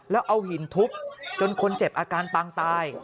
แล้วเอาหินทุบจนคนเจ็บอาการปางตาย